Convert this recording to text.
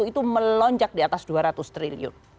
dua ribu dua puluh satu itu melonjak di atas rp dua ratus triliun